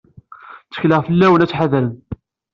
Ttekleɣ fell-awen ad tḥedṛem.